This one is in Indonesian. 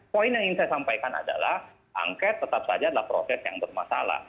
poin yang ingin saya sampaikan adalah angket tetap saja adalah proses yang bermasalah